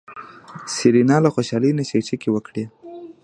سېرېنا له خوشحالۍ نه چکچکې وکړې.